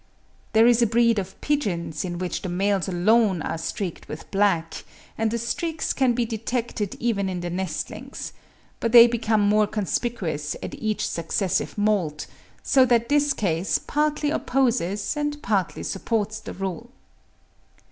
There is a breed of pigeons in which the males alone are streaked with black, and the streaks can be detected even in the nestlings; but they become more conspicuous at each successive moult, so that this case partly opposes and partly supports the rule.